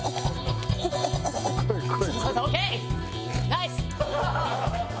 ナイス！